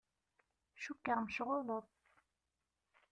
Cukkeɣ mecɣuleḍ.